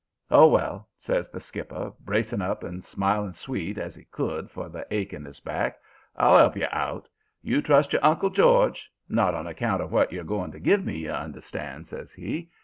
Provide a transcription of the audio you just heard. "'Oh, well,' says the skipper, bracing up and smiling sweet as he could for the ache in his back. 'I'll 'elp you out. You trust your Uncle George. Not on account of what you're going to give me, you understand,' says he.